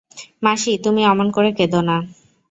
মাসি, তুমি অমন করে কেঁদো না।